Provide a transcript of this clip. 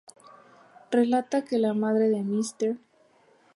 Relata que la madre de Mrs.